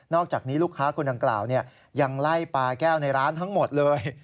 อกจากนี้ลูกค้าคนดังกล่าวยังไล่ปลาแก้วในร้านทั้งหมดเลย